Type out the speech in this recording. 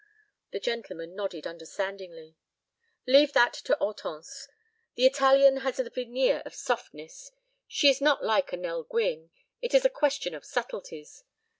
The gentleman nodded understandingly. "Leave that to Hortense. The Italian has a veneer of softness; she is not like a Nell Gwyn. It is a question of subtleties.